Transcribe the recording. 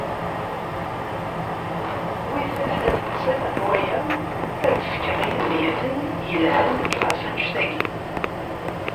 Wid teɛna temsalt n waya ad d-fkeɣ imedyaten yelhan ɣef wanect-agi.